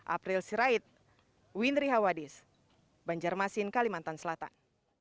april sirait windri hawadis banjarmasin kalimantan selatan